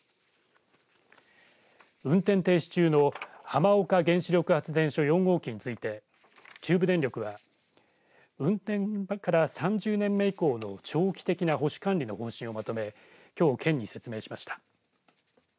運転停止中の浜岡原子力発電所４号機について中部電力は運転から３０年目以降の長期的な保守管理の方針をまとめきょう県に説明しました。